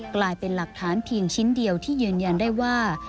กลายเป็นหลักฐานเพียงชิ้นเดียวที่ยืนยันได้ว่า